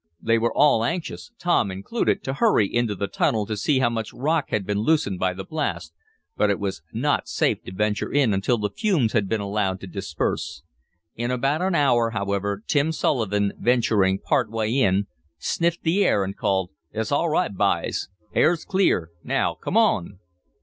They were all anxious, Tom included, to hurry into the tunnel to see how much rock had been loosened by the blast, but it was not safe to venture in until the fumes had been allowed to disperse. In about an hour, however, Tim Sullivan, venturing part way in, sniffed the air and called: "It's all right, byes! Air's clear. Now come on!"